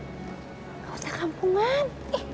gak usah kampungan